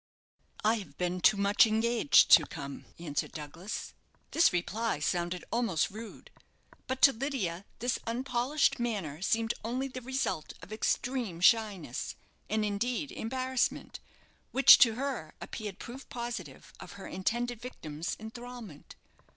"I have been too much engaged to come," answered Douglas. This reply sounded almost rude; but to Lydia this unpolished manner seemed only the result of extreme shyness, and, indeed, embarrassment, which to her appeared proof positive of her intended victim's enthralment.